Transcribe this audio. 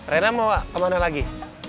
rena mau kemana lagi